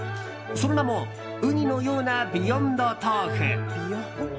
その名もうにのようなビヨンドとうふ。